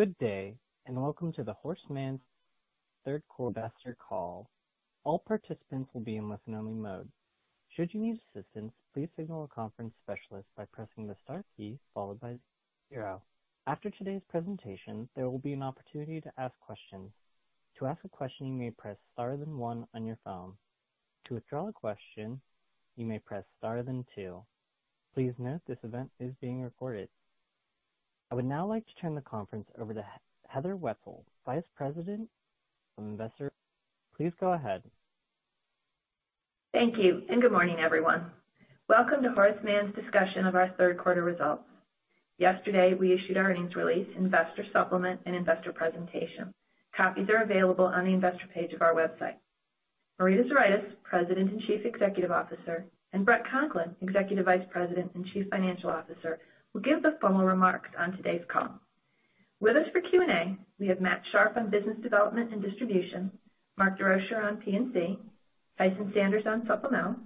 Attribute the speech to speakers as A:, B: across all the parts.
A: Good day, welcome to the Horace Mann third quarter call. All participants will be in listen only mode. Should you need assistance, please signal a conference specialist by pressing the star key followed by zero. After today's presentation, there will be an opportunity to ask questions. To ask a question, you may press star then one on your phone. To withdraw a question, you may press star then two. Please note this event is being recorded. I would now like to turn the conference over to Heather Wietzel, Vice President of Investor. Please go ahead.
B: Thank you, good morning, everyone. Welcome to Horace Mann's discussion of our third quarter results. Yesterday, we issued our earnings release, investor supplement, and investor presentation. Copies are available on the investor page of our website. Marita Zuraitis, President and Chief Executive Officer, and Bret Conklin, Executive Vice President and Chief Financial Officer, will give the formal remarks on today's call. With us for Q&A, we have Matt Sharpe on business development and distribution, Mark Desrochers on P&C, Tyson Sanders on supplemental,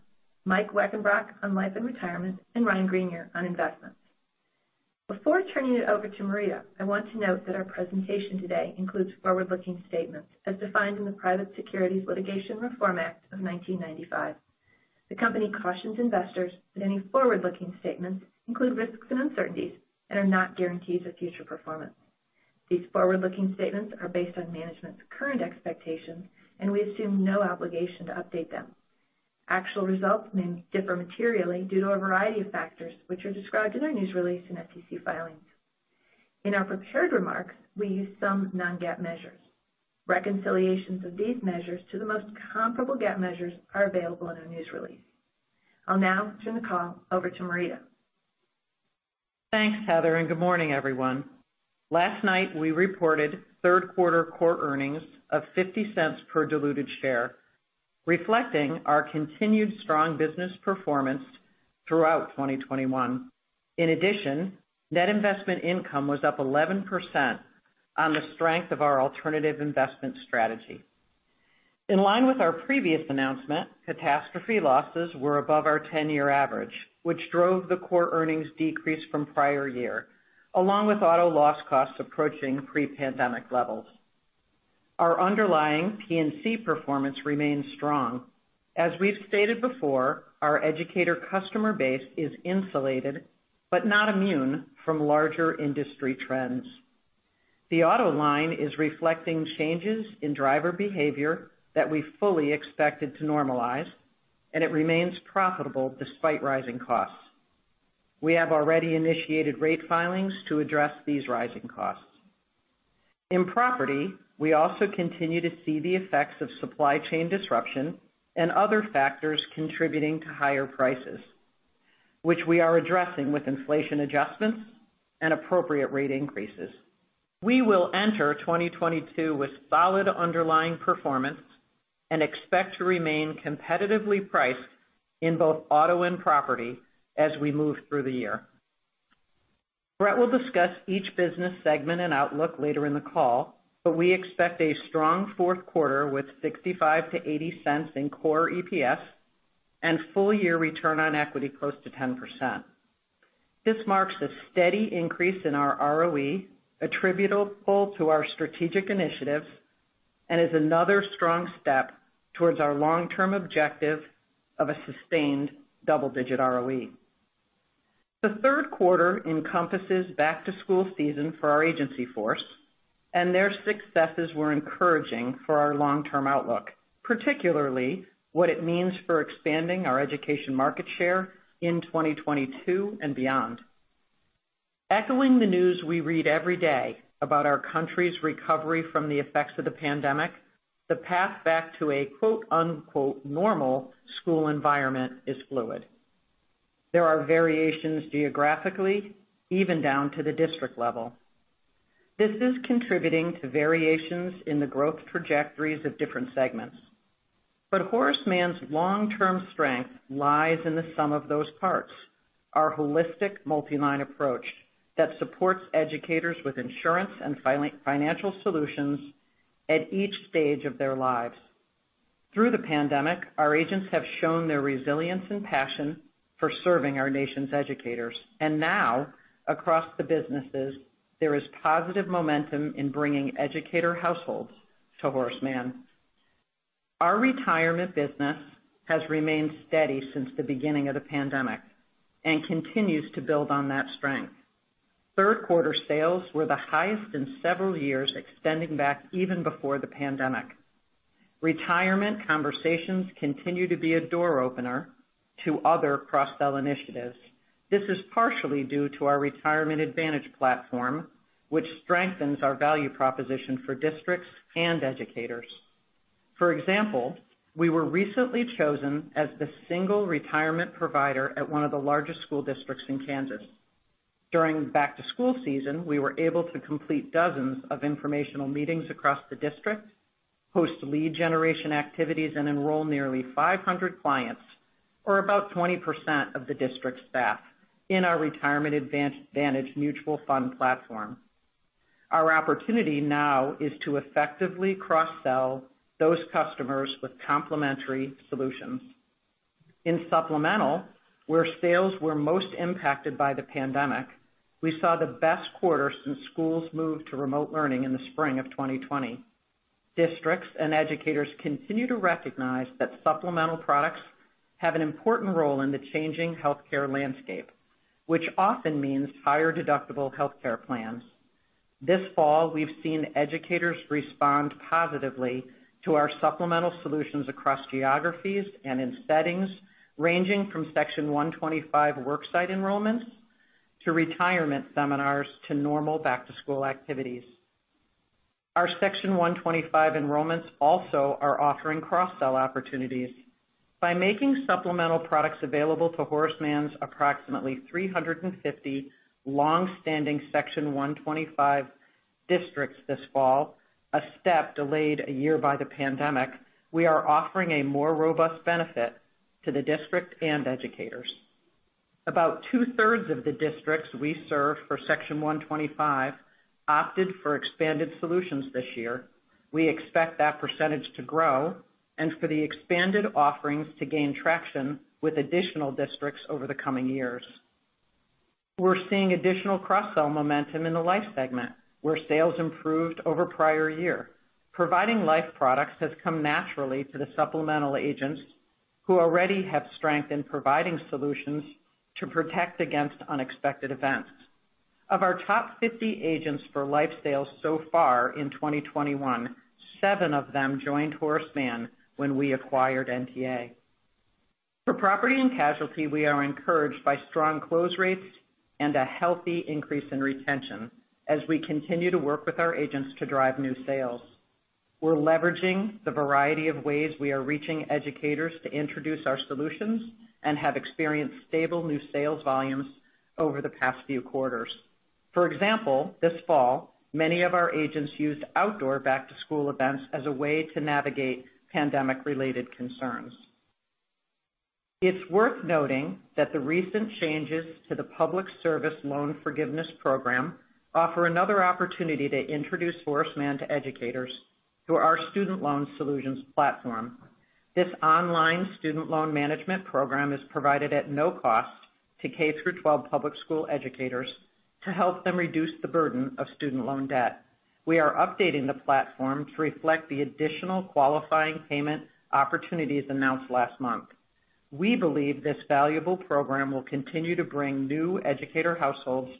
B: Michael Weckenbrock on life and retirement, and Ryan Greenier on investments. Before turning it over to Marita, I want to note that our presentation today includes forward-looking statements as defined in the Private Securities Litigation Reform Act of 1995. The company cautions investors that any forward-looking statements include risks and uncertainties and are not guarantees of future performance. These forward-looking statements are based on management's current expectations. We assume no obligation to update them. Actual results may differ materially due to a variety of factors, which are described in our news release and SEC filings. In our prepared remarks, we use some non-GAAP measures. Reconciliations of these measures to the most comparable GAAP measures are available in our news release. I'll now turn the call over to Marita.
C: Thanks, Heather, good morning, everyone. Last night, we reported third quarter core earnings of $0.50 per diluted share, reflecting our continued strong business performance throughout 2021. In addition, net investment income was up 11% on the strength of our alternative investment strategy. In line with our previous announcement, catastrophe losses were above our 10-year average, which drove the core earnings decrease from prior year, along with auto loss costs approaching pre-pandemic levels. Our underlying P&C performance remains strong. As we've stated before, our educator customer base is insulated but not immune from larger industry trends. The auto line is reflecting changes in driver behavior that we fully expected to normalize, and it remains profitable despite rising costs. We have already initiated rate filings to address these rising costs. In property, we also continue to see the effects of supply chain disruption and other factors contributing to higher prices, which we are addressing with inflation adjustments and appropriate rate increases. We will enter 2022 with solid underlying performance and expect to remain competitively priced in both auto and property as we move through the year. Bret will discuss each business segment and outlook later in the call, but we expect a strong fourth quarter with $0.65-$0.80 in core EPS and full year return on equity close to 10%. This marks a steady increase in our ROE attributable to our strategic initiatives and is another strong step towards our long-term objective of a sustained double-digit ROE. The third quarter encompasses back-to-school season for our agency force, their successes were encouraging for our long-term outlook, particularly what it means for expanding our education market share in 2022 and beyond. Echoing the news we read every day about our country's recovery from the effects of the pandemic, the path back to a, quote unquote, "normal school environment" is fluid. There are variations geographically, even down to the district level. This is contributing to variations in the growth trajectories of different segments. Horace Mann's long-term strength lies in the sum of those parts, our holistic multi-line approach that supports educators with insurance and financial solutions at each stage of their lives. Through the pandemic, our agents have shown their resilience and passion for serving our nation's educators, now across the businesses, there is positive momentum in bringing educator households to Horace Mann. Our retirement business has remained steady since the beginning of the pandemic, continues to build on that strength. Third quarter sales were the highest in several years, extending back even before the pandemic. Retirement conversations continue to be a door opener to other cross-sell initiatives. This is partially due to our Retirement Advantage platform, which strengthens our value proposition for districts and educators. For example, we were recently chosen as the single retirement provider at one of the largest school districts in Kansas. During back-to-school season, we were able to complete dozens of informational meetings across the district, host lead generation activities, and enroll nearly 500 clients, or about 20% of the district staff, in our Retirement Advantage mutual fund platform. Our opportunity now is to effectively cross-sell those customers with complementary solutions. In supplemental, where sales were most impacted by the pandemic, we saw the best quarter since schools moved to remote learning in the spring of 2020. Districts, educators continue to recognize that supplemental products have an important role in the changing healthcare landscape, which often means higher deductible healthcare plans. This fall, we've seen educators respond positively to our supplemental solutions across geographies and in settings ranging from Section 125 worksite enrollments to retirement seminars to normal back-to-school activities. Our Section 125 enrollments also are offering cross-sell opportunities. By making supplemental products available to Horace Mann's approximately 350 long-standing Section 125 districts this fall, a step delayed a year by the pandemic, we are offering a more robust benefit to the district and educators. About two-thirds of the districts we serve for Section 125 opted for expanded solutions this year. We expect that percentage to grow and for the expanded offerings to gain traction with additional districts over the coming years. We're seeing additional cross-sell momentum in the life segment, where sales improved over prior year. Providing life products has come naturally to the supplemental agents, who already have strength in providing solutions to protect against unexpected events. Of our top 50 agents for life sales so far in 2021, seven of them joined Horace Mann when we acquired NTA. For property and casualty, we are encouraged by strong close rates and a healthy increase in retention as we continue to work with our agents to drive new sales. We're leveraging the variety of ways we are reaching educators to introduce our solutions and have experienced stable new sales volumes over the past few quarters. For example, this fall, many of our agents used outdoor back-to-school events as a way to navigate pandemic-related concerns. It's worth noting that the recent changes to the Public Service Loan Forgiveness program offer another opportunity to introduce Horace Mann to educators through our Student Loan Solutions platform. This online student loan management program is provided at no cost to K through 12 public school educators to help them reduce the burden of student loan debt. We are updating the platform to reflect the additional qualifying payment opportunities announced last month. We believe this valuable program will continue to bring new educator households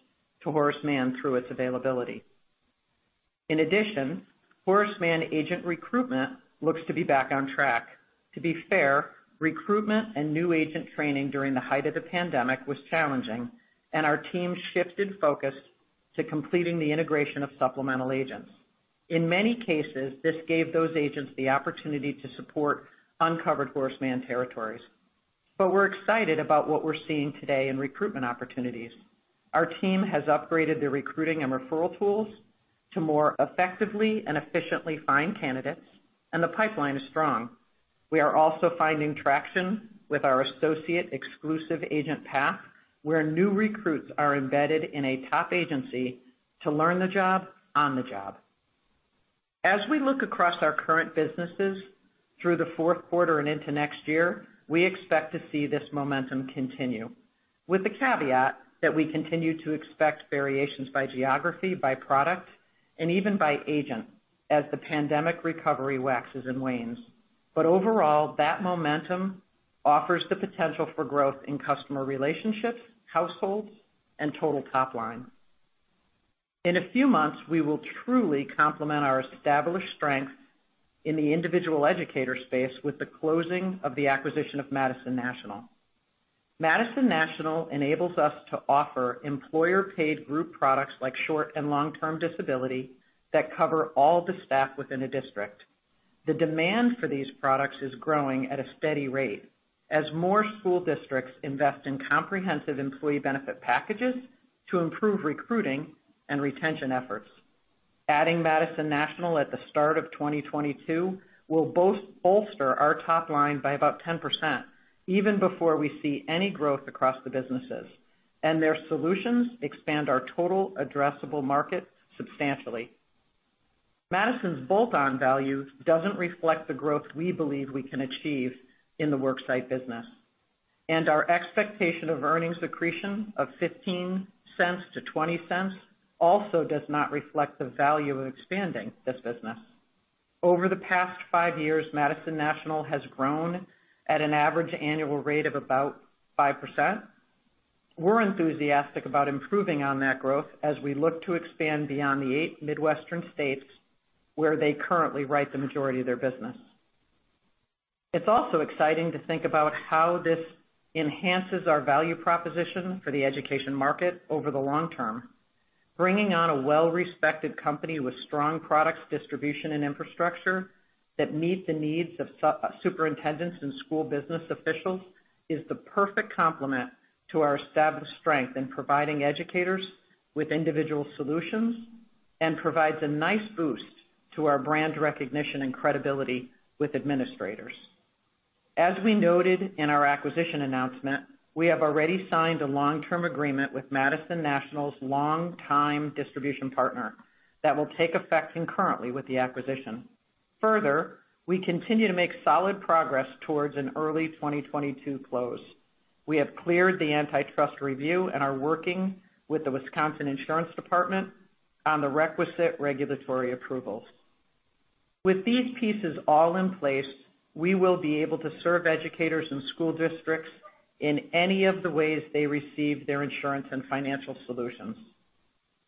C: to Horace Mann through its availability. In addition, Horace Mann agent recruitment looks to be back on track. To be fair, recruitment and new agent training during the height of the pandemic was challenging, and our team shifted focus to completing the integration of supplemental agents. In many cases, this gave those agents the opportunity to support uncovered Horace Mann territories. We're excited about what we're seeing today in recruitment opportunities. Our team has upgraded the recruiting and referral tools to more effectively and efficiently find candidates, and the pipeline is strong. We are also finding traction with our associate exclusive agent path, where new recruits are embedded in a top agency to learn the job on the job. As we look across our current businesses through the fourth quarter and into next year, we expect to see this momentum continue, with the caveat that we continue to expect variations by geography, by product, and even by agent, as the pandemic recovery waxes and wanes. Overall, that momentum offers the potential for growth in customer relationships, households, and total top line. In a few months, we will truly complement our established strength in the individual educator space with the closing of the acquisition of Madison National. Madison National enables us to offer employer-paid group products like short and long-term disability that cover all the staff within a district. The demand for these products is growing at a steady rate as more school districts invest in comprehensive employee benefit packages to improve recruiting and retention efforts. Adding Madison National at the start of 2022 will bolster our top line by about 10%, even before we see any growth across the businesses, and their solutions expand our total addressable market substantially. Madison's bolt-on value doesn't reflect the growth we believe we can achieve in the worksite business. Our expectation of earnings accretion of $0.15-$0.20 also does not reflect the value of expanding this business. Over the past five years, Madison National has grown at an average annual rate of about 5%. We're enthusiastic about improving on that growth as we look to expand beyond the eight Midwestern states where they currently write the majority of their business. It's also exciting to think about how this enhances our value proposition for the education market over the long term. Bringing on a well-respected company with strong products, distribution, and infrastructure that meet the needs of superintendents and school business officials is the perfect complement to our established strength in providing educators with individual solutions and provides a nice boost to our brand recognition and credibility with administrators. As we noted in our acquisition announcement, we have already signed a long-term agreement with Madison National's longtime distribution partner that will take effect concurrently with the acquisition. We continue to make solid progress towards an early 2022 close. We have cleared the antitrust review and are working with the Wisconsin Insurance Department on the requisite regulatory approvals. With these pieces all in place, we will be able to serve educators and school districts in any of the ways they receive their insurance and financial solutions.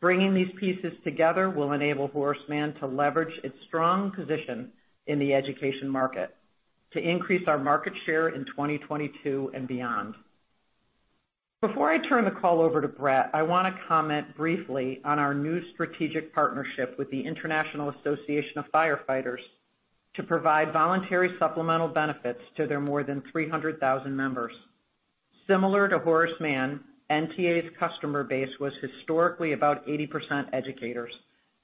C: Bringing these pieces together will enable Horace Mann to leverage its strong position in the education market to increase our market share in 2022 and beyond. Before I turn the call over to Bret, I want to comment briefly on our new strategic partnership with the International Association of Fire Fighters to provide voluntary supplemental benefits to their more than 300,000 members. Similar to Horace Mann, NTA's customer base was historically about 80% educators.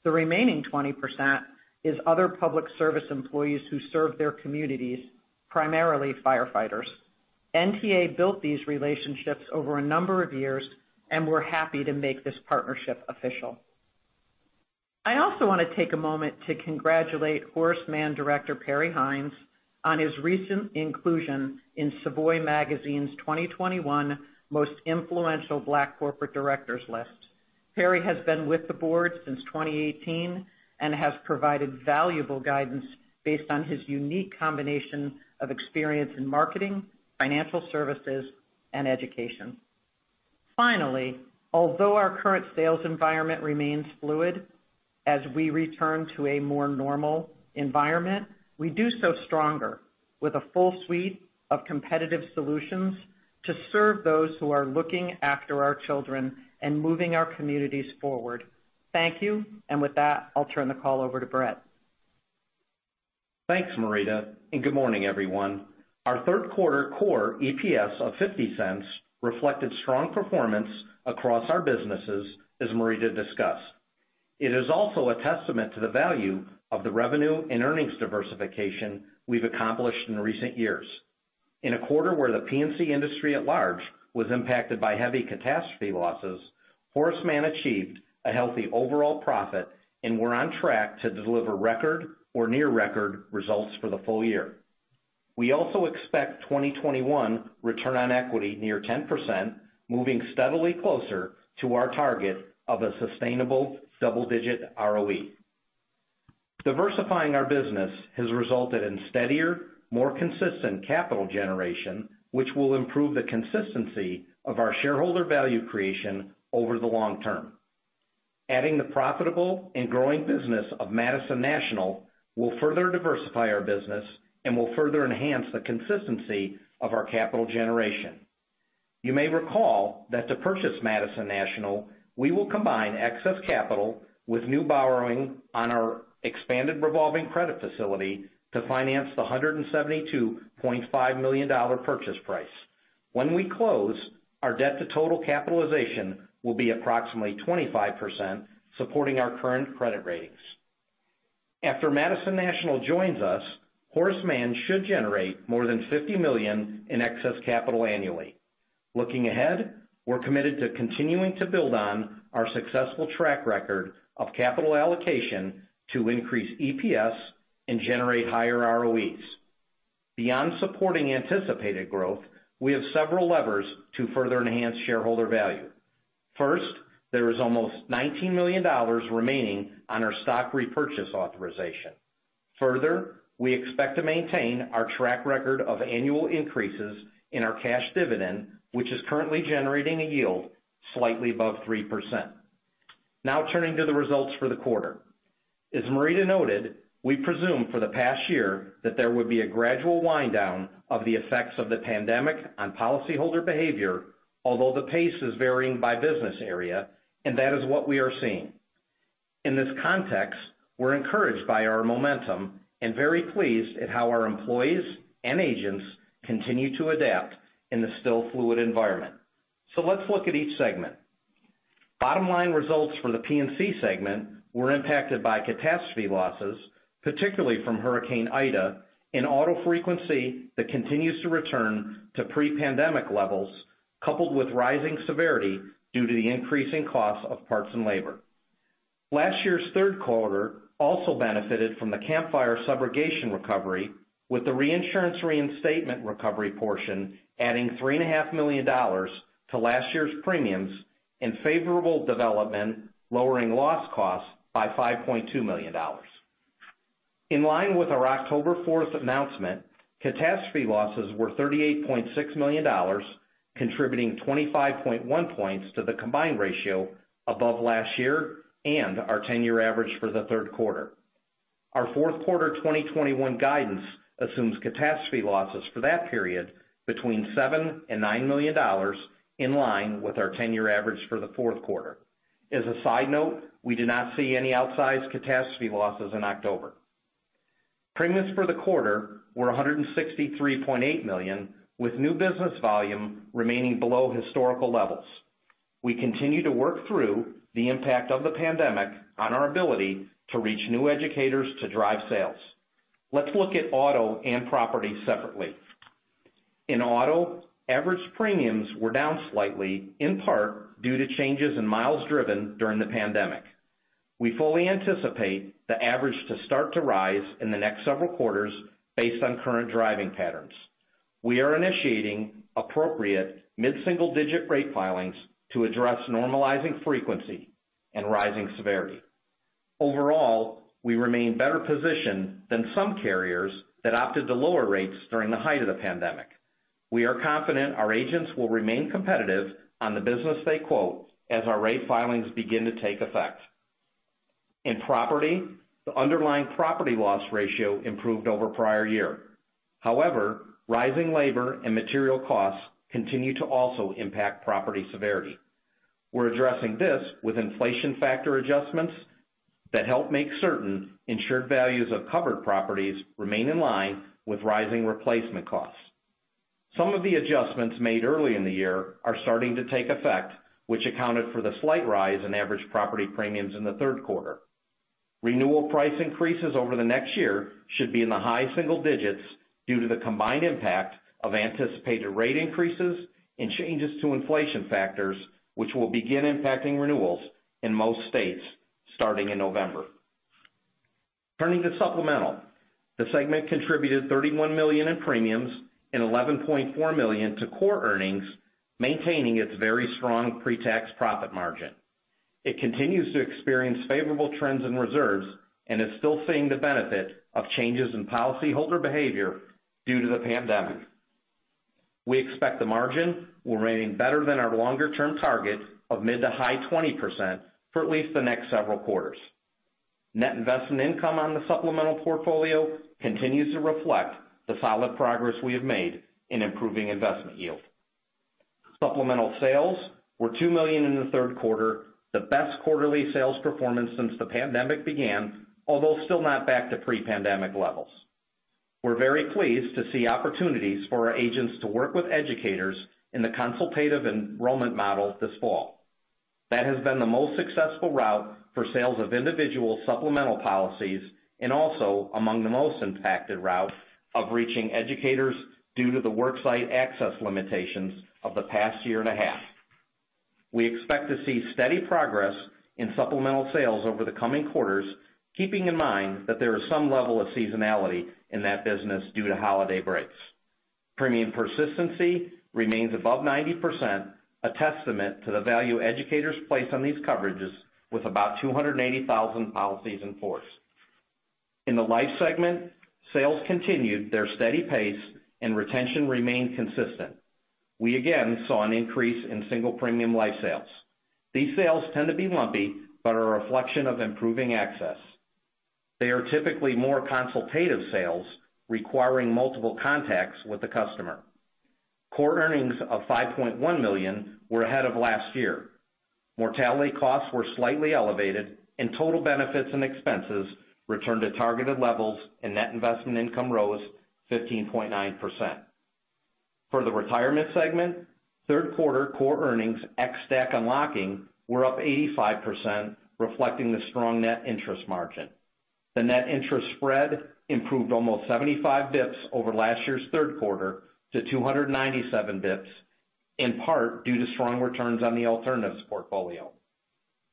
C: The remaining 20% is other public service employees who serve their communities, primarily firefighters. NTA built these relationships over a number of years, we're happy to make this partnership official. I also want to take a moment to congratulate Horace Mann director, Perry Hines, on his recent inclusion in Savoy Magazine's 2021 Most Influential Black Corporate Directors list. Perry has been with the board since 2018 and has provided valuable guidance based on his unique combination of experience in marketing, financial services, and education. Finally, although our current sales environment remains fluid as we return to a more normal environment, we do so stronger with a full suite of competitive solutions to serve those who are looking after our children and moving our communities forward. Thank you. With that, I'll turn the call over to Bret.
D: Thanks, Marita, good morning, everyone. Our third quarter core EPS of $0.50 reflected strong performance across our businesses, as Marita discussed. It is also a testament to the value of the revenue and earnings diversification we've accomplished in recent years. In a quarter where the P&C industry at large was impacted by heavy catastrophe losses, Horace Mann achieved a healthy overall profit and we're on track to deliver record or near-record results for the full year. We also expect 2021 return on equity near 10%, moving steadily closer to our target of a sustainable double-digit ROE. Diversifying our business has resulted in steadier, more consistent capital generation, which will improve the consistency of our shareholder value creation over the long term. Adding the profitable and growing business of Madison National will further diversify our business and will further enhance the consistency of our capital generation. You may recall that to purchase Madison National, we will combine excess capital with new borrowing on our expanded revolving credit facility to finance the $172.5 million purchase price. When we close, our debt to total capitalization will be approximately 25%, supporting our current credit ratings. After Madison National joins us, Horace Mann should generate more than $50 million in excess capital annually. Looking ahead, we're committed to continuing to build on our successful track record of capital allocation to increase EPS and generate higher ROEs. Beyond supporting anticipated growth, we have several levers to further enhance shareholder value. First, there is almost $19 million remaining on our stock repurchase authorization. Further, we expect to maintain our track record of annual increases in our cash dividend, which is currently generating a yield slightly above 3%. Turning to the results for the quarter. As Marita noted, we presumed for the past year that there would be a gradual wind-down of the effects of the pandemic on policyholder behavior, although the pace is varying by business area. That is what we are seeing. In this context, we're encouraged by our momentum and very pleased at how our employees and agents continue to adapt in the still fluid environment. Let's look at each segment. Bottom line results for the P&C segment were impacted by catastrophe losses, particularly from Hurricane Ida and auto frequency that continues to return to pre-pandemic levels, coupled with rising severity due to the increasing cost of parts and labor. Last year's third quarter also benefited from the Camp Fire subrogation recovery, with the reinsurance reinstatement recovery portion adding $3.5 million to last year's premiums, and favorable development lowering loss costs by $5.2 million. In line with our October 4th announcement, catastrophe losses were $38.6 million, contributing 25.1 points to the combined ratio above last year and our 10-year average for the third quarter. Our fourth quarter 2021 guidance assumes catastrophe losses for that period between $7 million and $9 million, in line with our 10-year average for the fourth quarter. As a side note, we did not see any outsized catastrophe losses in October. Premiums for the quarter were $163.8 million, with new business volume remaining below historical levels. We continue to work through the impact of the pandemic on our ability to reach new educators to drive sales. Let's look at auto and property separately. In auto, average premiums were down slightly, in part due to changes in miles driven during the pandemic. We fully anticipate the average to start to rise in the next several quarters based on current driving patterns. We are initiating appropriate mid-single-digit rate filings to address normalizing frequency and rising severity. Overall, we remain better positioned than some carriers that opted to lower rates during the height of the pandemic. We are confident our agents will remain competitive on the business they quote as our rate filings begin to take effect. In property, the underlying property loss ratio improved over prior year. However, rising labor and material costs continue to also impact property severity. We're addressing this with inflation factor adjustments that help make certain insured values of covered properties remain in line with rising replacement costs. Some of the adjustments made early in the year are starting to take effect, which accounted for the slight rise in average property premiums in the third quarter. Renewal price increases over the next year should be in the high single digits due to the combined impact of anticipated rate increases and changes to inflation factors, which will begin impacting renewals in most states starting in November. Turning to supplemental, the segment contributed $31 million in premiums and $11.4 million to core earnings, maintaining its very strong pre-tax profit margin. It continues to experience favorable trends in reserves and is still seeing the benefit of changes in policyholder behavior due to the pandemic. We expect the margin will remain better than our longer-term target of mid to high 20% for at least the next several quarters. Net investment income on the supplemental portfolio continues to reflect the solid progress we have made in improving investment yield. Supplemental sales were $2 million in the third quarter, the best quarterly sales performance since the pandemic began, although still not back to pre-pandemic levels. We're very pleased to see opportunities for our agents to work with educators in the consultative enrollment model this fall. That has been the most successful route for sales of individual supplemental policies, and also among the most impacted route of reaching educators due to the worksite access limitations of the past year and a half. We expect to see steady progress in supplemental sales over the coming quarters, keeping in mind that there is some level of seasonality in that business due to holiday breaks. Premium persistency remains above 90%, a testament to the value educators place on these coverages with about 280,000 policies in force. In the life segment, sales continued their steady pace and retention remained consistent. We again saw an increase in single premium life sales. These sales tend to be lumpy but are a reflection of improving access. They are typically more consultative sales requiring multiple contacts with the customer. Core earnings of $5.1 million were ahead of last year. Mortality costs were slightly elevated, and total benefits and expenses returned to targeted levels and net investment income rose 15.9%. For the retirement segment, third quarter core earnings, ex DAC unlocking, were up 85%, reflecting the strong net interest margin. The net interest spread improved almost 75 basis points over last year's third quarter to 297 basis points, in part due to strong returns on the alternatives portfolio.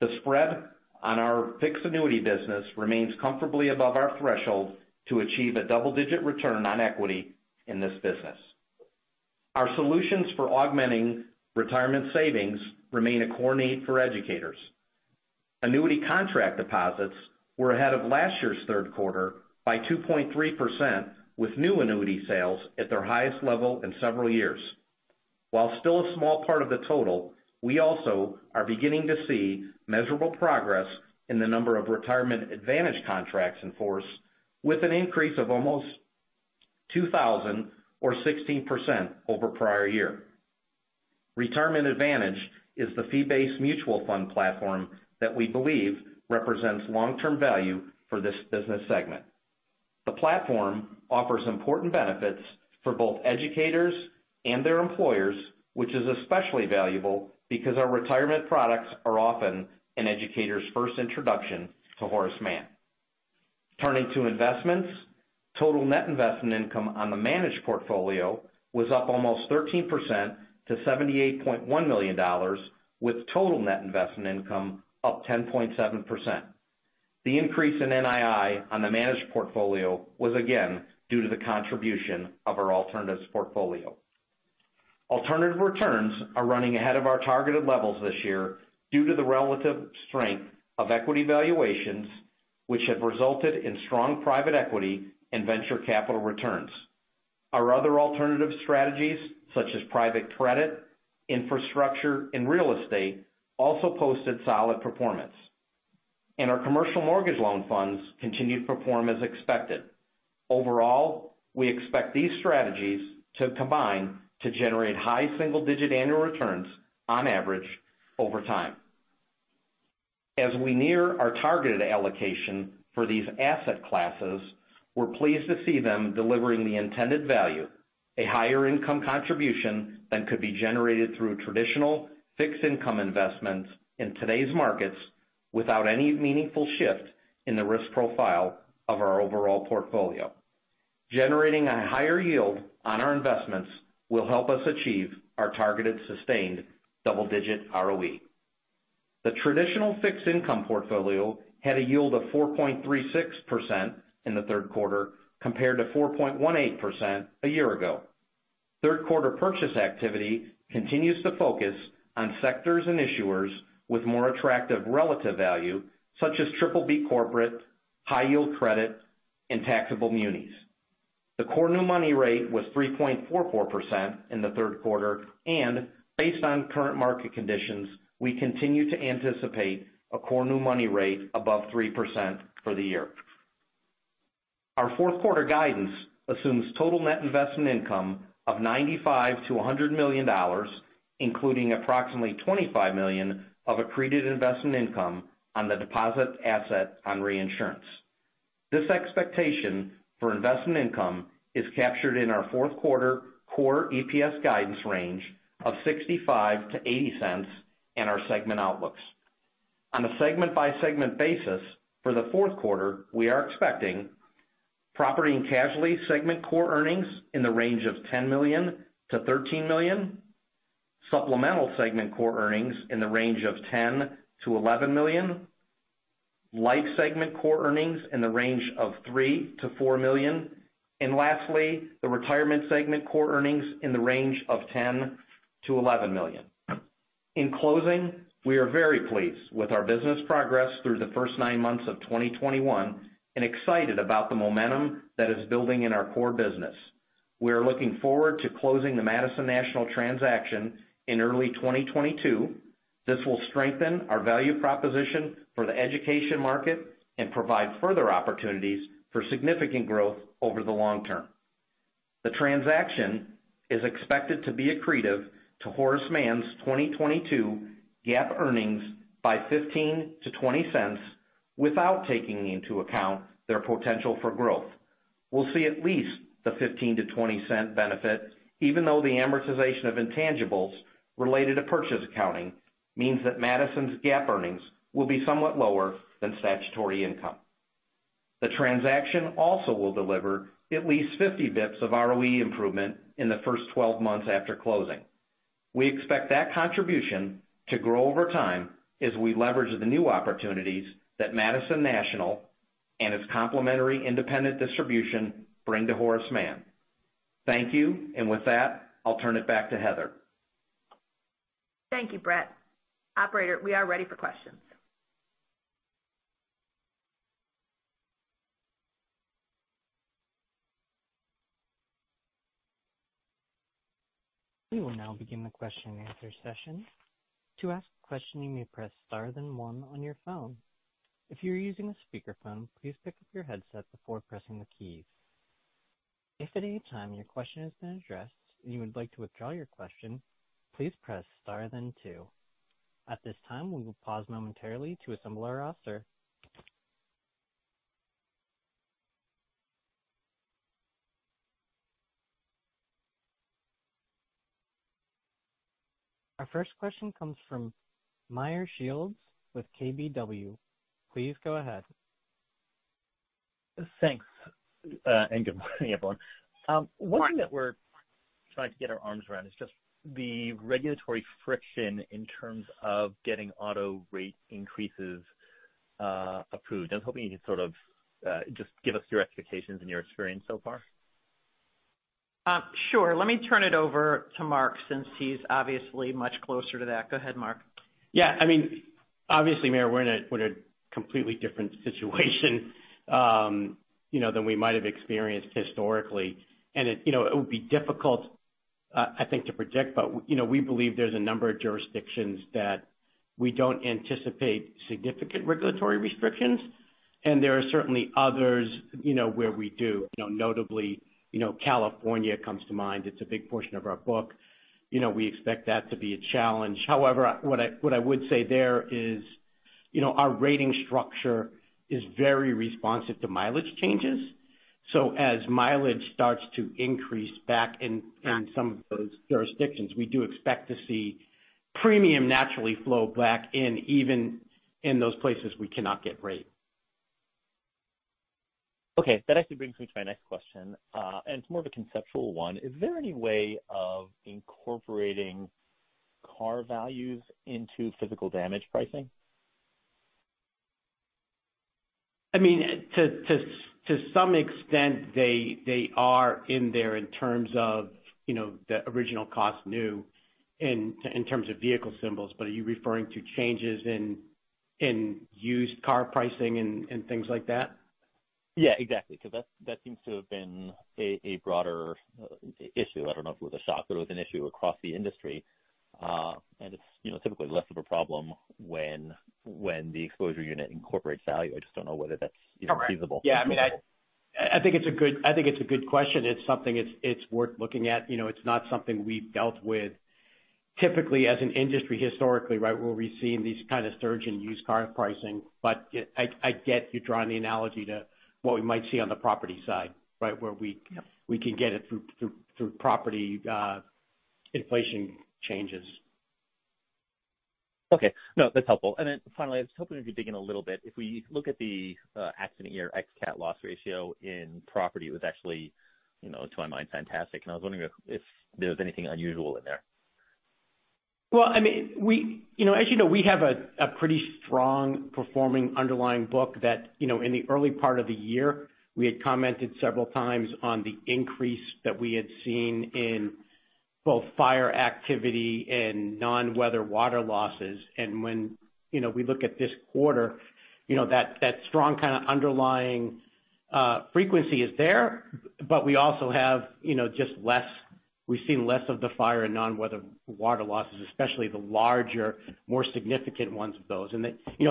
D: The spread on our fixed annuity business remains comfortably above our threshold to achieve a double-digit return on equity in this business. Our solutions for augmenting retirement savings remain a core need for educators. Annuity contract deposits were ahead of last year's third quarter by 2.3%, with new annuity sales at their highest level in several years. While still a small part of the total, we also are beginning to see measurable progress in the number of Retirement Advantage contracts in force, with an increase of almost 2,000 or 16% over prior year. Retirement Advantage is the fee-based mutual fund platform that we believe represents long-term value for this business segment. The platform offers important benefits for both educators and their employers, which is especially valuable because our retirement products are often an educator's first introduction to Horace Mann. Turning to investments, total net investment income on the managed portfolio was up almost 13% to $78.1 million, with total net investment income up 10.7%. The increase in NII on the managed portfolio was again due to the contribution of our alternatives portfolio. Alternative returns are running ahead of our targeted levels this year due to the relative strength of equity valuations, which have resulted in strong private equity and venture capital returns. Our other alternative strategies, such as private credit, infrastructure, and real estate, also posted solid performance. Our commercial mortgage loan funds continued to perform as expected. Overall, we expect these strategies to combine to generate high single-digit annual returns on average over time. As we near our targeted allocation for these asset classes, we're pleased to see them delivering the intended value, a higher income contribution than could be generated through traditional fixed income investments in today's markets without any meaningful shift in the risk profile of our overall portfolio. Generating a higher yield on our investments will help us achieve our targeted sustained double-digit ROE. The traditional fixed income portfolio had a yield of 4.36% in the third quarter, compared to 4.18% a year ago. Third quarter purchase activity continues to focus on sectors and issuers with more attractive relative value, such as triple B corporate, high yield credit, and taxable munis. The core new money rate was 3.44% in the third quarter, and based on current market conditions, we continue to anticipate a core new money rate above 3% for the year. Our fourth quarter guidance assumes total net investment income of $95 million-$100 million, including approximately $25 million of accreted investment income on the deposit asset on reinsurance. This expectation for investment income is captured in our fourth quarter core EPS guidance range of $0.65-$0.80 in our segment outlooks. On a segment by segment basis for the fourth quarter, we are expecting Property and Casualty segment core earnings in the range of $10 million-$13 million, Supplemental segment core earnings in the range of $10 million-$11 million, Life segment core earnings in the range of $3 million-$4 million, and lastly, the Retirement segment core earnings in the range of $10 million-$11 million. In closing, we are very pleased with our business progress through the first nine months of 2021, and excited about the momentum that is building in our core business. We are looking forward to closing the Madison National transaction in early 2022. This will strengthen our value proposition for the education market and provide further opportunities for significant growth over the long term. The transaction is expected to be accretive to Horace Mann's 2022 GAAP earnings by $0.15-$0.20 without taking into account their potential for growth. We'll see at least the $0.15-$0.20 benefit, even though the amortization of intangibles related to purchase accounting means that Madison's GAAP earnings will be somewhat lower than statutory income. The transaction also will deliver at least 50 bps of ROE improvement in the first 12 months after closing. We expect that contribution to grow over time as we leverage the new opportunities that Madison National and its complementary independent distribution bring to Horace Mann. Thank you. With that, I'll turn it back to Heather.
B: Thank you, Bret. Operator, we are ready for questions.
A: We will now begin the question and answer session. To ask a question, you may press star then one on your phone. If you are using a speakerphone, please pick up your headset before pressing the keys. If at any time your question has been addressed and you would like to withdraw your question, please press star then two. At this time, we will pause momentarily to assemble our roster. Our first question comes from Meyer Shields with KBW. Please go ahead.
E: Thanks. Good morning, everyone. One thing that we're trying to get our arms around is just the regulatory friction in terms of getting auto rate increases approved. I was hoping you could sort of just give us your expectations and your experience so far.
B: Sure. Let me turn it over to Mark, since he's obviously much closer to that. Go ahead, Mark.
F: Yeah. Obviously, Meyer, we're in a completely different situation than we might have experienced historically. It would be difficult, I think, to predict, but we believe there's a number of jurisdictions that we don't anticipate significant regulatory restrictions, and there are certainly others where we do. Notably, California comes to mind. It's a big portion of our book. We expect that to be a challenge. However, what I would say there is, our rating structure is very responsive to mileage changes. As mileage starts to increase back in some of those jurisdictions, we do expect to see premium naturally flow back in, even in those places we cannot get rate.
E: Okay. That actually brings me to my next question. It's more of a conceptual one. Is there any way of incorporating car values into physical damage pricing?
F: To some extent, they are in there in terms of the original cost new in terms of vehicle symbols. Are you referring to changes in used car pricing and things like that?
E: Yeah, exactly, because that seems to have been a broader issue. I don't know if it was a shock, but it was an issue across the industry. It's typically less of a problem when the exposure unit incorporates value. I just don't know whether that's even feasible.
F: Yeah. I think it's a good question. It's something, it's worth looking at. It's not something we've dealt with typically as an industry historically, right, where we've seen these kind of surging used car pricing. I get you drawing the analogy to what we might see on the property side, right? Where we can get it through property-
C: Inflation changes.
E: Okay. No, that's helpful. Then finally, I was hoping if you dig in a little bit, if we look at the accident year ex cat loss ratio in property, it was actually, to my mind, fantastic, and I was wondering if there was anything unusual in there.
F: Well, as you know, we have a pretty strong performing underlying book that, in the early part of the year, we had commented several times on the increase that we had seen in both fire activity and non-weather water losses. When we look at this quarter, that strong kind of underlying frequency is there. We also have just less. We've seen less of the fire and non-weather water losses, especially the larger, more significant ones of those.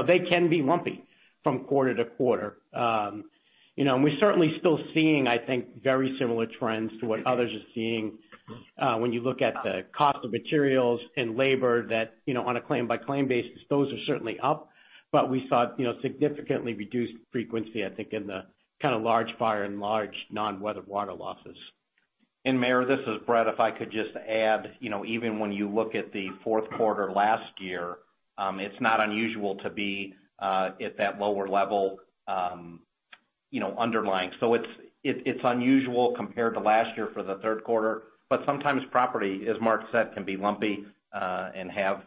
F: They can be lumpy from quarter to quarter. We're certainly still seeing, I think, very similar trends to what others are seeing. When you look at the cost of materials and labor that, on a claim-by-claim basis, those are certainly up. We saw significantly reduced frequency, I think, in the kind of large fire and large non-weather water losses.
D: Meyer, this is Bret. If I could just add, even when you look at the fourth quarter last year, it's not unusual to be at that lower level underlying. It's unusual compared to last year for the third quarter. Sometimes property, as Mark said, can be lumpy, and have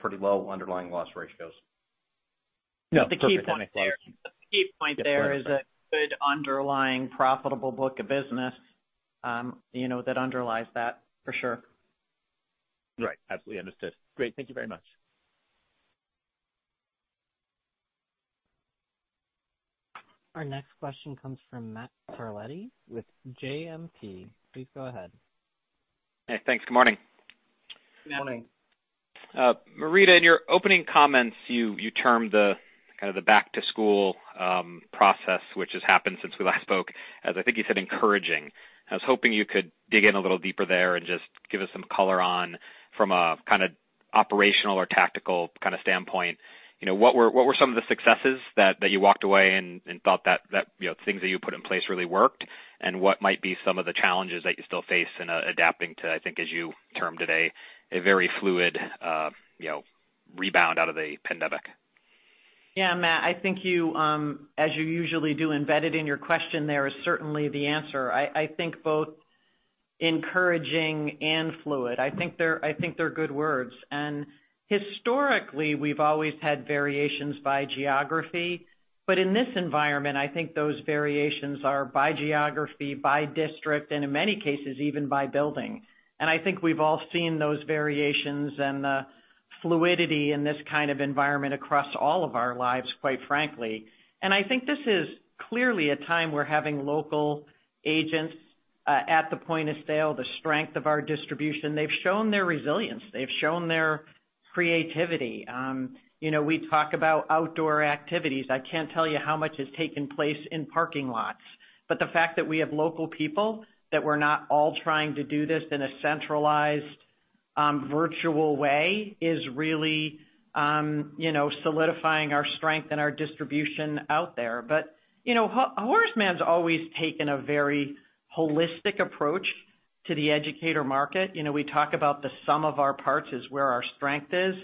D: pretty low underlying loss ratios.
E: Yeah, perfect. Thanks, Mark.
C: The key point there is a good underlying profitable book of business that underlies that for sure.
E: Right. Absolutely understood. Great. Thank you very much.
A: Our next question comes from Matt Carletti with JMP. Please go ahead.
G: Hey, thanks. Good morning.
C: Good morning.
G: Marita, in your opening comments, you termed the kind of the back-to-school process, which has happened since we last spoke, as I think you said, encouraging. I was hoping you could dig in a little deeper there and just give us some color on from a kind of operational or tactical kind of standpoint. What were some of the successes that you walked away and thought that things that you put in place really worked? What might be some of the challenges that you still face in adapting to, I think as you termed today, a very fluid rebound out of the pandemic?
C: Matt, I think you, as you usually do, embedded in your question there is certainly the answer. Both encouraging and fluid. They're good words. Historically, we've always had variations by geography. In this environment, I think those variations are by geography, by district, and in many cases, even by building. I think we've all seen those variations and the fluidity in this kind of environment across all of our lives, quite frankly. I think this is clearly a time where having local agents at the point of sale, the strength of our distribution, they've shown their resilience. They've shown their creativity. We talk about outdoor activities. I can't tell you how much has taken place in parking lots, but the fact that we have local people, that we're not all trying to do this in a centralized, virtual way is really solidifying our strength and our distribution out there. Horace Mann's always taken a very holistic approach to the educator market. We talk about the sum of our parts is where our strength is,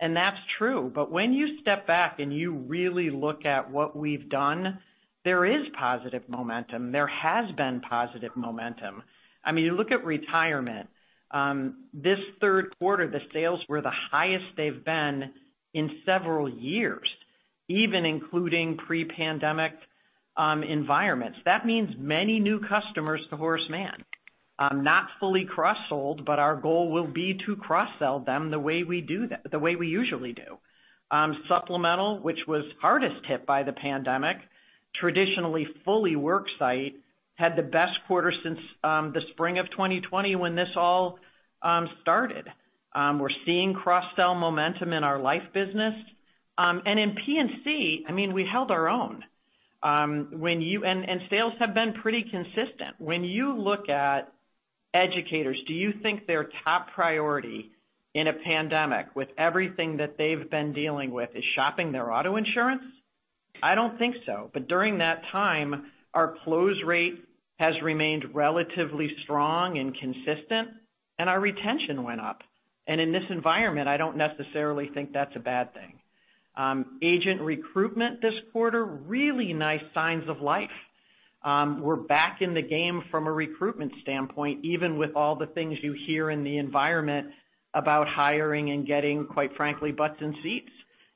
C: and that's true. When you step back and you really look at what we've done, there is positive momentum. There has been positive momentum. You look at retirement. This third quarter, the sales were the highest they've been in several years, even including pre-pandemic environments. That means many new customers to Horace Mann. Not fully cross-sold, but our goal will be to cross-sell them the way we usually do. Supplemental, which was hardest hit by the pandemic, traditionally fully work site, had the best quarter since the spring of 2020 when this all started. We're seeing cross-sell momentum in our life business. In P&C, we held our own, and sales have been pretty consistent. When you look at educators, do you think their top priority in a pandemic with everything that they've been dealing with is shopping their auto insurance? I don't think so. During that time, our close rate has remained relatively strong and consistent, and our retention went up. In this environment, I don't necessarily think that's a bad thing. Agent recruitment this quarter, really nice signs of life. We're back in the game from a recruitment standpoint, even with all the things you hear in the environment about hiring and getting, quite frankly, butts in seats.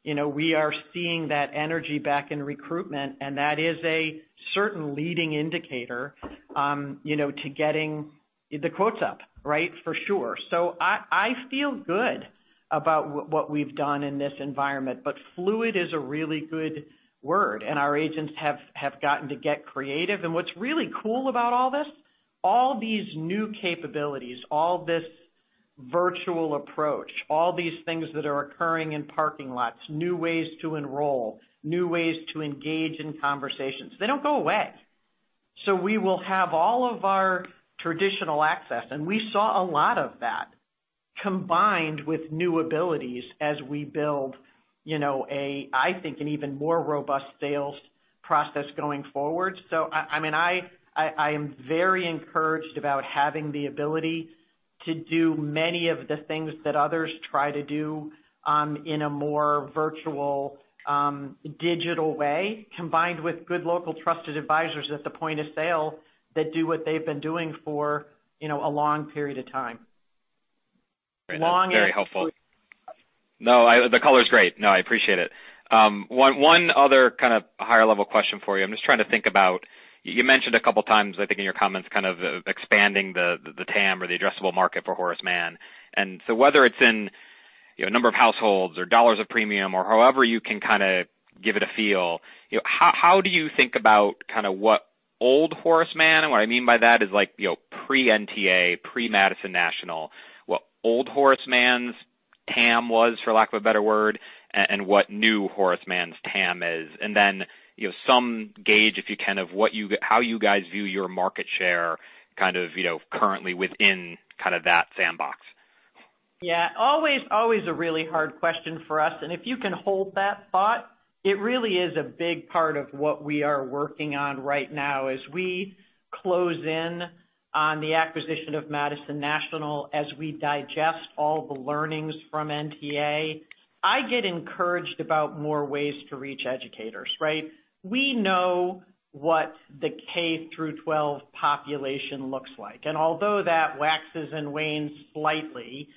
C: We are seeing that energy back in recruitment, and that is a certain leading indicator to getting the quotes up. For sure. I feel good about what we've done in this environment, but fluid is a really good word, and our agents have gotten to get creative. What's really cool about all this, all these new capabilities, all this virtual approach, all these things that are occurring in parking lots, new ways to enroll, new ways to engage in conversations, they don't go away. We will have all of our traditional access, and we saw a lot of that Combined with new abilities as we build, I think, an even more robust sales process going forward. I am very encouraged about having the ability to do many of the things that others try to do in a more virtual, digital way, combined with good local trusted advisors at the point of sale that do what they've been doing for a long period of time.
G: Very helpful. No, the color's great. No, I appreciate it. One other kind of higher level question for you. I'm just trying to think about, you mentioned a couple times, I think in your comments, kind of expanding the TAM or the addressable market for Horace Mann. Whether it's in a number of households or dollars of premium or however you can kind of give it a feel, how do you think about kind of what old Horace Mann, and what I mean by that is like pre-NTA, pre-Madison National, what old Horace Mann's TAM was, for lack of a better word, and what new Horace Mann's TAM is? And then some gauge, if you can, of how you guys view your market share currently within that sandbox.
C: Yeah. Always a really hard question for us. If you can hold that thought, it really is a big part of what we are working on right now as we close in on the acquisition of Madison National, as we digest all the learnings from NTA. I get encouraged about more ways to reach educators, right? We know what the K through 12 population looks like. Although that waxes and wanes slightly,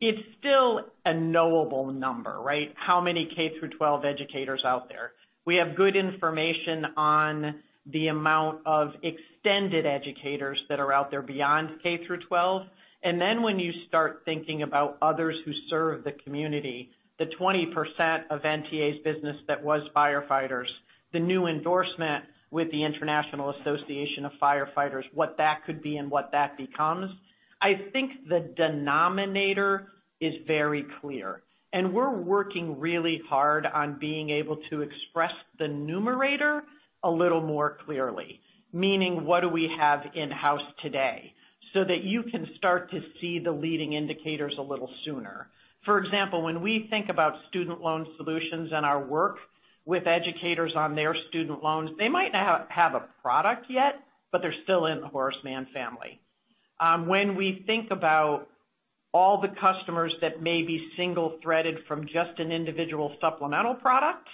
C: it's still a knowable number, right? How many K through 12 educators out there? We have good information on the amount of extended educators that are out there beyond K through 12. Then when you start thinking about others who serve the community, the 20% of NTA's business that was firefighters, the new endorsement with the International Association of Fire Fighters, what that could be and what that becomes. I think the denominator is very clear. We're working really hard on being able to express the numerator a little more clearly, meaning what do we have in-house today, so that you can start to see the leading indicators a little sooner. For example, when we think about Student Loan Solutions and our work with educators on their student loans, they might not have a product yet, but they're still in the Horace Mann family. When we think about all the customers that may be single-threaded from just an individual supplemental product,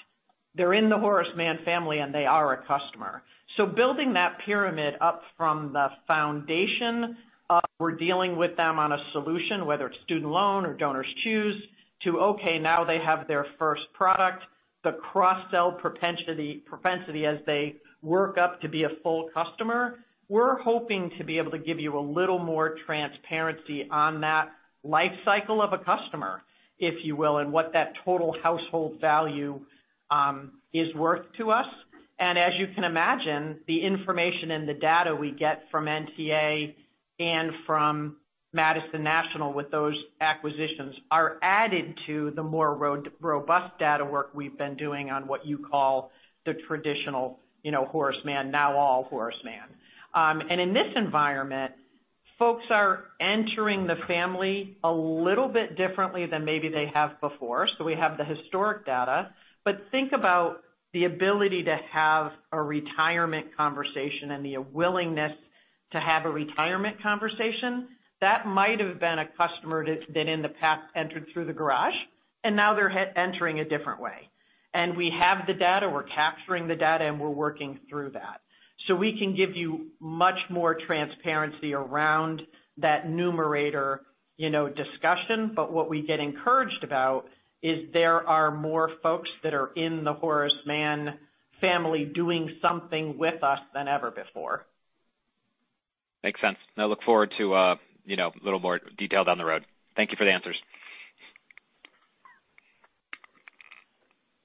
C: they're in the Horace Mann family and they are a customer. Building that pyramid up from the foundation of we're dealing with them on a solution, whether it's student loan or DonorsChoose, to okay, now they have their first product. The cross-sell propensity as they work up to be a full customer, we're hoping to be able to give you a little more transparency on that life cycle of a customer, if you will, and what that total household value is worth to us. As you can imagine, the information and the data we get from NTA and from Madison National with those acquisitions are added to the more robust data work we've been doing on what you call the traditional Horace Mann, now all Horace Mann. In this environment, folks are entering the family a little bit differently than maybe they have before. We have the historic data, but think about the ability to have a retirement conversation and the willingness to have a retirement conversation. That might have been a customer that in the past entered through the garage, now they're entering a different way. We have the data, we're capturing the data, and we're working through that. We can give you much more transparency around that numerator discussion. What we get encouraged about is there are more folks that are in the Horace Mann family doing something with us than ever before.
G: Makes sense. I look forward to a little more detail down the road. Thank you for the answers.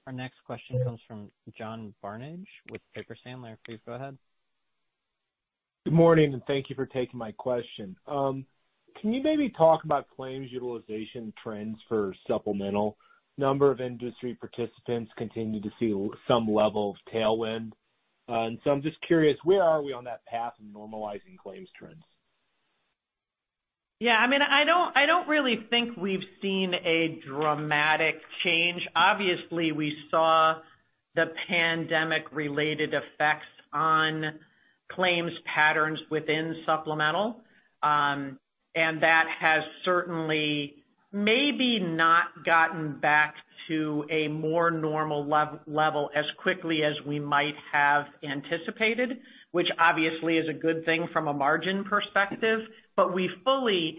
A: Our next question comes from John Barnidge with Piper Sandler. Please go ahead.
H: Good morning, and thank you for taking my question. Can you maybe talk about claims utilization trends for supplemental? Number of industry participants continue to see some level of tailwind. I'm just curious, where are we on that path of normalizing claims trends?
C: Yeah. I don't really think we've seen a dramatic change. Obviously, we saw the pandemic-related effects on claims patterns within supplemental. That has certainly maybe not gotten back to a more normal level as quickly as we might have anticipated, which obviously is a good thing from a margin perspective. We fully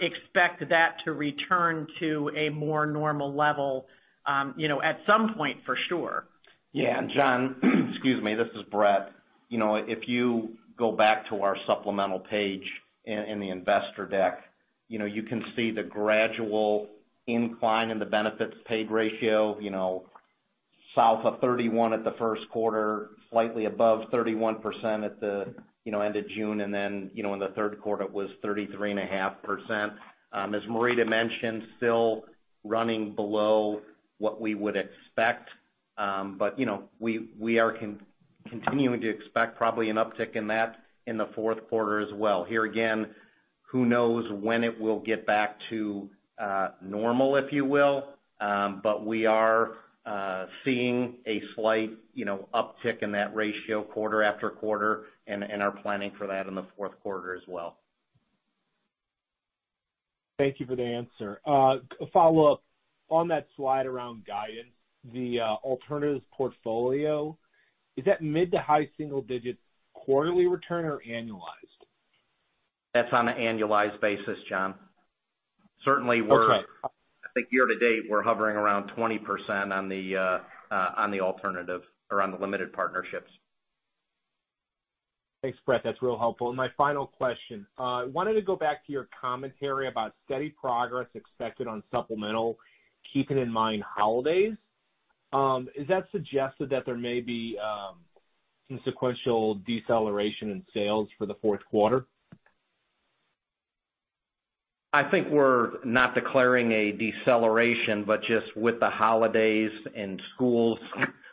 C: expect that to return to a more normal level at some point, for sure.
D: Yeah. John, excuse me, this is Bret. If you go back to our supplemental page in the investor deck, you can see the gradual incline in the benefits paid ratio, south of 31 at the first quarter, slightly above 31% at the end of June, then in the third quarter it was 33.5%. As Marita mentioned, still running below what we would expect. We are continuing to expect probably an uptick in that in the fourth quarter as well. Here again, who knows when it will get back to normal, if you will. We are seeing a slight uptick in that ratio quarter after quarter and are planning for that in the fourth quarter as well.
H: Thank you for the answer. A follow-up. On that slide around guidance, the alternatives portfolio, is that mid to high single digit quarterly return or annualized?
D: That's on an annualized basis, John. Okay. Certainly, I think year to date, we're hovering around 20% on the alternative, around the limited partnerships.
H: Thanks, Bret. That's real helpful. My final question, I wanted to go back to your commentary about steady progress expected on supplemental, keeping in mind holidays. Is that suggested that there may be some sequential deceleration in sales for the fourth quarter?
D: I think we're not declaring a deceleration, just with the holidays and schools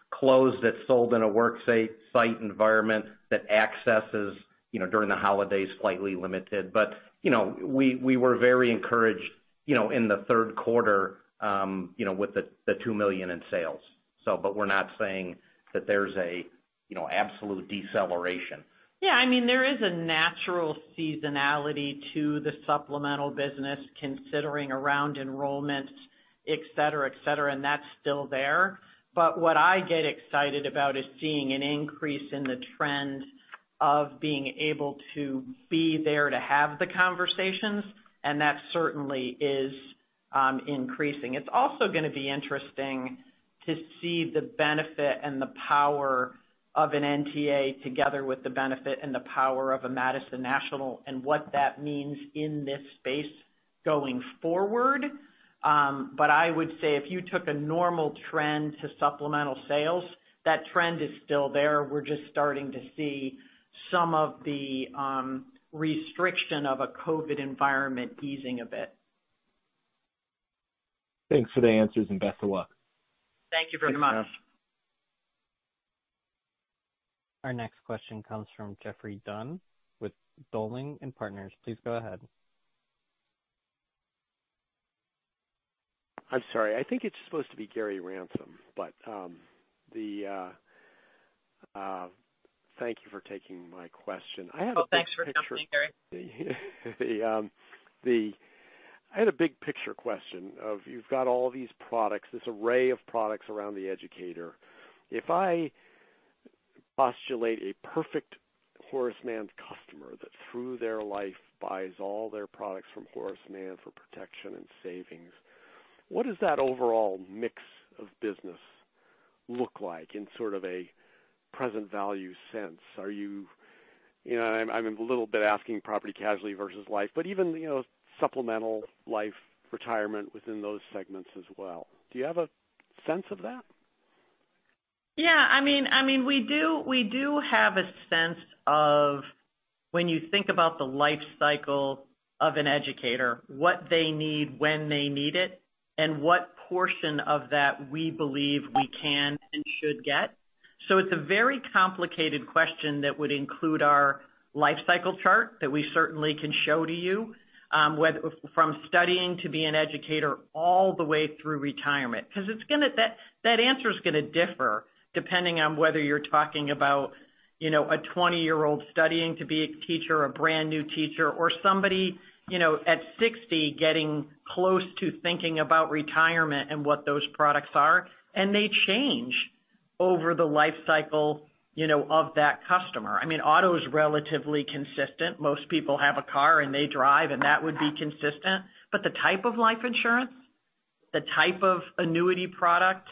D: closed, that's sold in a work site environment that accesses during the holidays, slightly limited. We were very encouraged in the third quarter, with the $2 million in sales. We're not saying that there's a absolute deceleration.
C: Yeah, there is a natural seasonality to the supplemental business considering around enrollments, et cetera, that's still there. What I get excited about is seeing an increase in the trend of being able to be there to have the conversations, that certainly is increasing. It's also going to be interesting to see the benefit and the power of an NTA together with the benefit and the power of a Madison National and what that means in this space going forward. I would say, if you took a normal trend to supplemental sales, that trend is still there. We're just starting to see some of the restriction of a COVID environment easing a bit.
H: Thanks for the answers, and best of luck.
D: Thank you very much.
C: Thanks, John.
A: Our next question comes from Jeffrey Dunn with Dowling & Partners. Please go ahead.
I: I'm sorry. I think it's supposed to be Gary Ransom. Thank you for taking my question.
C: Oh, thanks for coming, Gary.
I: I had a big picture question of, you've got all these products, this array of products around the educator. If I postulate a perfect Horace Mann customer that through their life buys all their products from Horace Mann for protection and savings, what does that overall mix of business look like in sort of a present value sense? I'm a little bit asking property casualty versus life, but even supplemental life retirement within those segments as well. Do you have a sense of that?
C: Yeah, we do have a sense of when you think about the life cycle of an educator, what they need when they need it, and what portion of that we believe we can and should get. It's a very complicated question that would include our life cycle chart that we certainly can show to you, from studying to be an educator all the way through retirement. That answer's going to differ depending on whether you're talking about a 20-year-old studying to be a teacher, a brand new teacher, or somebody at 60 getting close to thinking about retirement and what those products are. They change over the life cycle of that customer. Auto is relatively consistent. Most people have a car and they drive, and that would be consistent. The type of life insurance, the type of annuity product,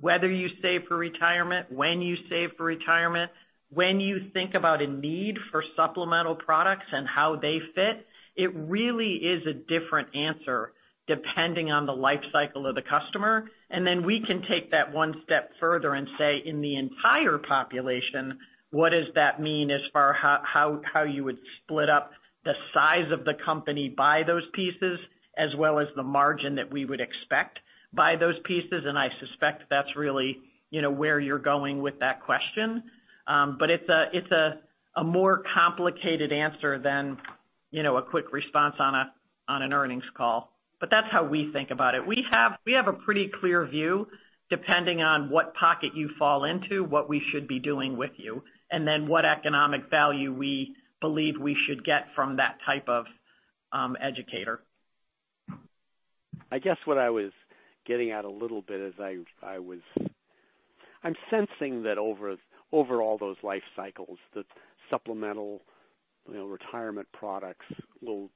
C: whether you save for retirement, when you save for retirement, when you think about a need for supplemental products and how they fit, it really is a different answer depending on the life cycle of the customer. Then we can take that one step further and say, in the entire population, what does that mean as far how you would split up the size of the company by those pieces, as well as the margin that we would expect by those pieces? I suspect that's really where you're going with that question. It's a more complicated answer than a quick response on an earnings call. That's how we think about it. We have a pretty clear view, depending on what pocket you fall into, what we should be doing with you, what economic value we believe we should get from that type of educator.
I: I guess what I was getting at a little bit is I'm sensing that over all those life cycles, that supplemental retirement products will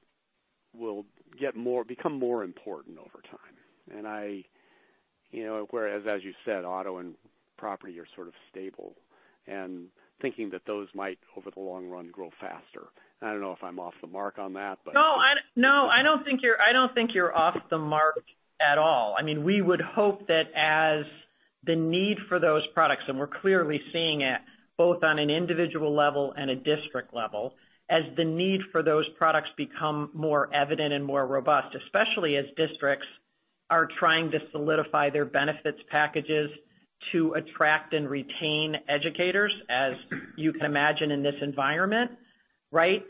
I: become more important over time. Whereas, as you said, Auto and property are sort of stable and thinking that those might, over the long run, grow faster. I don't know if I'm off the mark on that.
C: No, I don't think you're off the mark at all. We would hope that as the need for those products, and we're clearly seeing it both on an individual level and a district level, as the need for those products become more evident and more robust, especially as districts are trying to solidify their benefits packages to attract and retain educators, as you can imagine in this environment, right?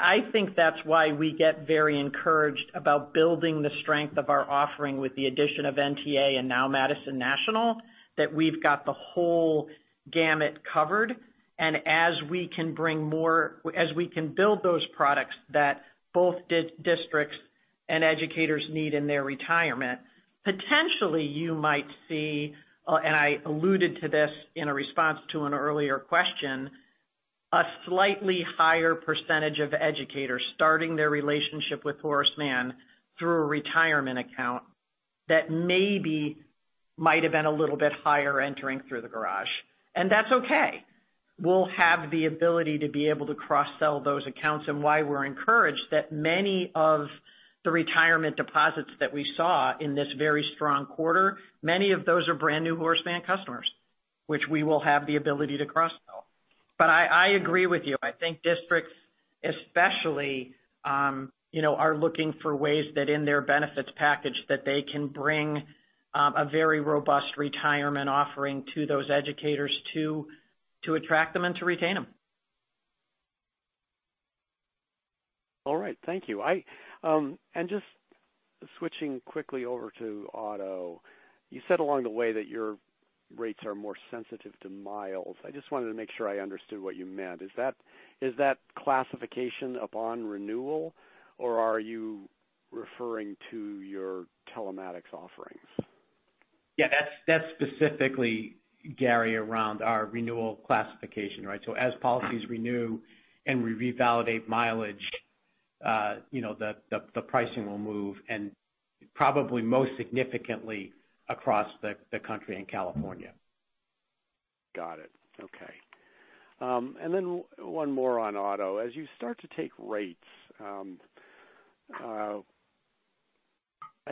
C: I think that's why we get very encouraged about building the strength of our offering with the addition of NTA and now Madison National, that we've got the whole gamut covered. As we can build those products that both districts and educators need in their retirement, potentially you might see, and I alluded to this in a response to an earlier question, a slightly higher percentage of educators starting their relationship with Horace Mann through a retirement account that maybe might have been a little bit higher entering through the garage. That's okay. We'll have the ability to be able to cross-sell those accounts and why we're encouraged that many of the retirement deposits that we saw in this very strong quarter, many of those are brand-new Horace Mann customers, which we will have the ability to cross-sell. I agree with you. I think districts especially, are looking for ways that in their benefits package, that they can bring a very robust retirement offering to those educators to attract them and to retain them.
I: All right. Thank you. Just switching quickly over to auto. You said along the way that your rates are more sensitive to miles. I just wanted to make sure I understood what you meant. Is that classification upon renewal or are you referring to your telematics offerings?
F: Yeah, that's specifically, Gary, around our renewal classification, right? As policies renew and we revalidate mileage, the pricing will move and probably most significantly across the country in California.
I: Got it. Okay. Then one more on auto. As you start to take rates, I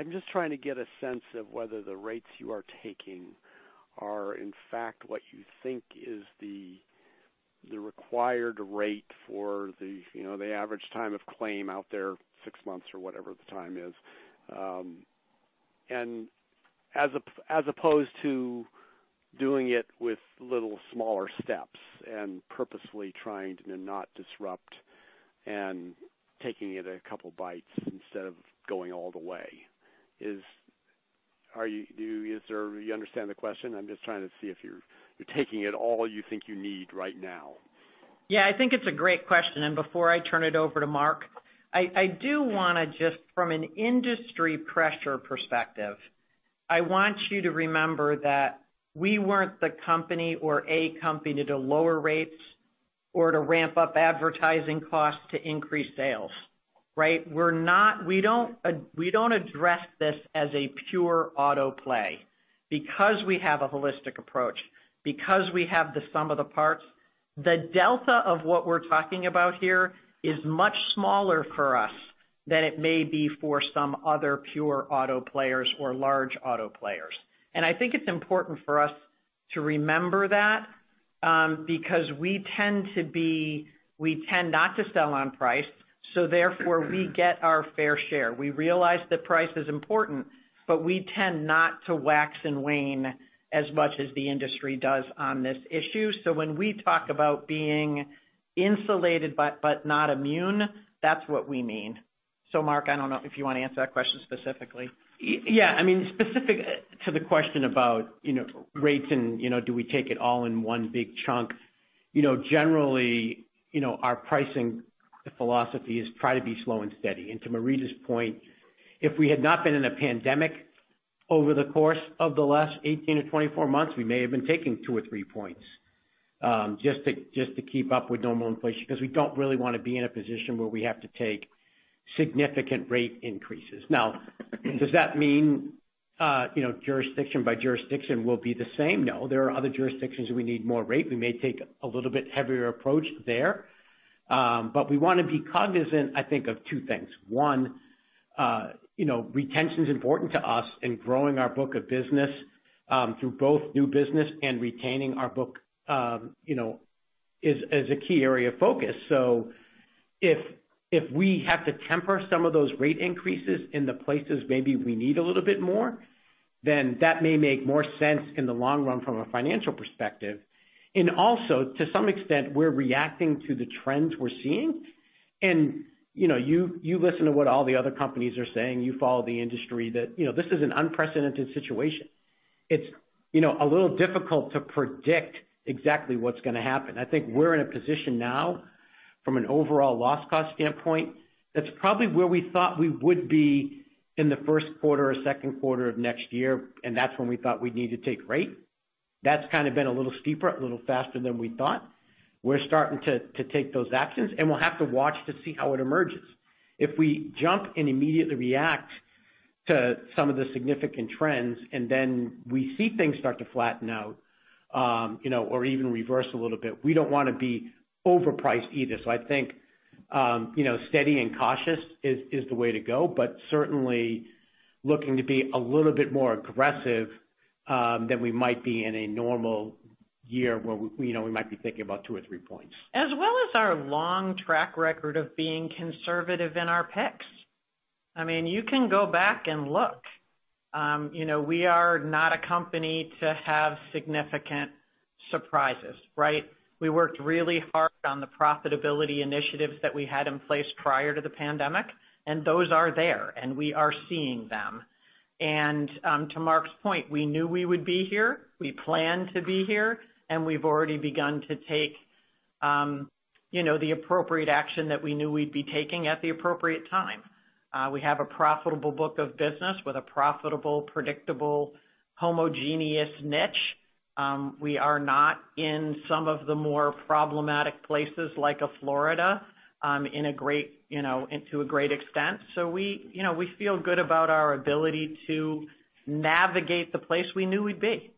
I: am just trying to get a sense of whether the rates you are taking are in fact what you think is the required rate for the average time of claim out there, six months or whatever the time is. As opposed to doing it with little smaller steps and purposefully trying to not disrupt and taking it a couple bites instead of going all the way. You understand the question? I am just trying to see if you are taking it all you think you need right now.
C: Yeah, I think it is a great question. Before I turn it over to Mark, I do want to just from an industry pressure perspective, I want you to remember that we were not the company or a company to lower rates or to ramp up advertising costs to increase sales, right? We do not address this as a pure auto play because we have a holistic approach, because we have the sum of the parts. The delta of what we are talking about here is much smaller for us than it may be for some other pure auto players or large auto players. I think it is important for us to remember that, because we tend not to sell on price, so therefore we get our fair share. We realize that price is important, but we tend not to wax and wane as much as the industry does on this issue. When we talk about being insulated but not immune, that is what we mean. Mark, I do not know if you want to answer that question specifically.
F: Yeah. Specific to the question about rates and do we take it all in one big chunk? Generally, our pricing philosophy is try to be slow and steady. To Marita's point, if we had not been in a pandemic over the course of the last 18 to 24 months, we may have been taking two or three points, just to keep up with normal inflation, because we do not really want to be in a position where we have to take significant rate increases. Does that mean jurisdiction by jurisdiction will be the same? No, there are other jurisdictions we need more rate. We may take a little bit heavier approach there. We want to be cognizant, I think, of two things. One, retention is important to us in growing our book of business, through both new business and retaining our book is a key area of focus. If we have to temper some of those rate increases in the places maybe we need a little bit more, then that may make more sense in the long run from a financial perspective. Also, to some extent, we're reacting to the trends we're seeing. You listen to what all the other companies are saying. You follow the industry that this is an unprecedented situation. It's a little difficult to predict exactly what's going to happen. I think we're in a position now from an overall loss cost standpoint, that's probably where we thought we would be in the first quarter or second quarter of next year, and that's when we thought we'd need to take rate. That's kind of been a little steeper, a little faster than we thought. We're starting to take those actions, and we'll have to watch to see how it emerges. If we jump and immediately react to some of the significant trends, and then we see things start to flatten out, or even reverse a little bit, we don't want to be overpriced either. I think, steady and cautious is the way to go, but certainly looking to be a little bit more aggressive than we might be in a normal year where we might be thinking about two or three points.
C: As well as our long track record of being conservative in our picks. You can go back and look. We are not a company to have significant surprises. We worked really hard on the profitability initiatives that we had in place prior to the pandemic, and those are there, and we are seeing them. To Mark's point, we knew we would be here, we planned to be here, and we've already begun to take the appropriate action that we knew we'd be taking at the appropriate time. We have a profitable book of business with a profitable, predictable, homogeneous niche. We are not in some of the more problematic places like a Florida into a great extent. We feel good about our ability to navigate the place we knew we'd be.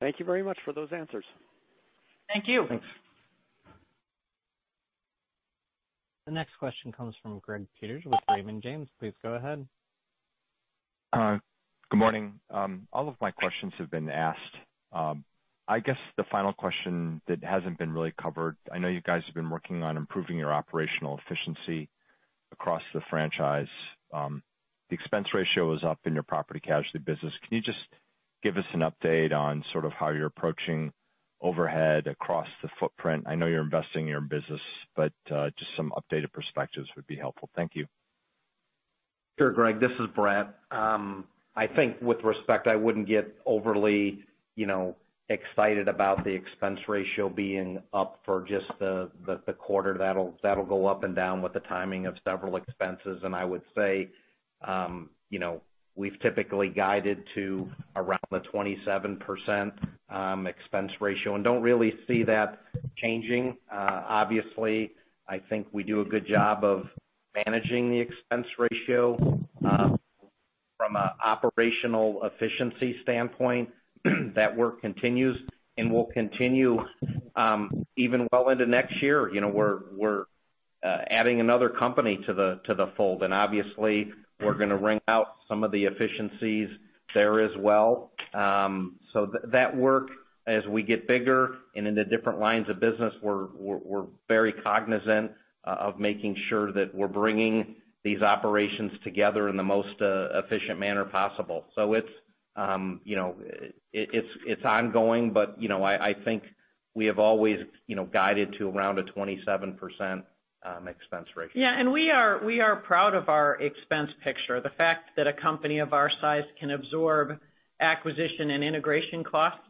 I: Thank you very much for those answers.
C: Thank you.
D: Thanks.
A: The next question comes from Gregory Peters with Raymond James. Please go ahead.
J: Good morning. All of my questions have been asked. I guess the final question that hasn't been really covered, I know you guys have been working on improving your operational efficiency across the franchise. The expense ratio is up in your property casualty business. Can you just give us an update on how you're approaching overhead across the footprint? I know you're investing in your business, but just some updated perspectives would be helpful. Thank you.
D: Sure, Greg. This is Bret. I think with respect, I wouldn't get overly excited about the expense ratio being up for just the quarter. That'll go up and down with the timing of several expenses. I would say, we've typically guided to around the 27% expense ratio and don't really see that changing. Obviously, I think we do a good job of managing the expense ratio. From an operational efficiency standpoint, that work continues and will continue even well into next year. We're adding another company to the fold. Obviously we're going to wring out some of the efficiencies there as well. That work, as we get bigger and into different lines of business, we're very cognizant of making sure that we're bringing these operations together in the most efficient manner possible. It's ongoing, but I think we have always guided to around a 27% expense ratio.
C: We are proud of our expense picture. The fact that a company of our size can absorb acquisition and integration costs,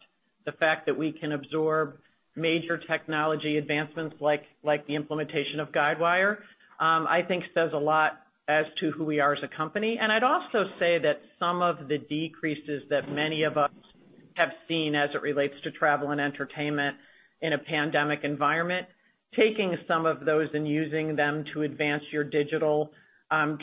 C: the fact that we can absorb major technology advancements like the implementation of Guidewire, I think says a lot as to who we are as a company. I'd also say that some of the decreases that many of us have seen as it relates to travel and entertainment in a pandemic environment, taking some of those and using them to advance your digital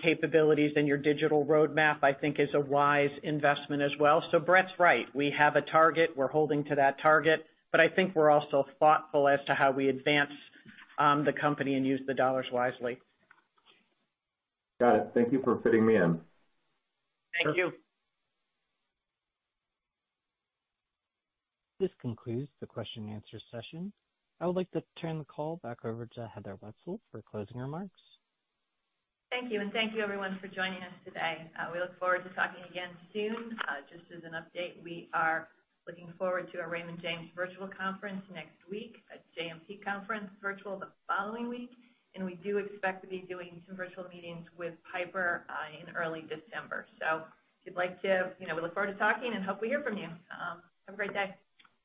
C: capabilities and your digital roadmap, I think is a wise investment as well. Bret's right. We have a target. We're holding to that target, but I think we're also thoughtful as to how we advance the company and use the dollars wisely.
J: Got it. Thank you for fitting me in.
C: Thank you.
A: This concludes the question and answer session. I would like to turn the call back over to Heather Wetzel for closing remarks.
B: Thank you, and thank you, everyone, for joining us today. We look forward to talking again soon. Just as an update, we are looking forward to our Raymond James virtual conference next week, a JMP conference virtual the following week, and we do expect to be doing some virtual meetings with Piper in early December. We look forward to talking and hope we hear from you. Have a great day.